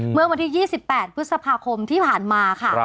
เมื่อวันที่๒๘พฤษภาคมที่ผ่านมาค่ะ